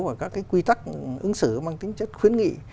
và các cái quy tắc ứng xử bằng tính chất khuyến nghị